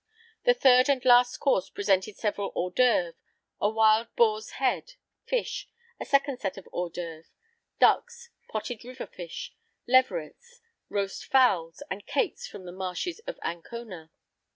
The third and last course presented several hors d'œuvre, a wild boar's head, fish, a second set of hors d'œuvre, ducks, potted river fish, leverets, roast fowls, and cakes from the marshes of Ancona."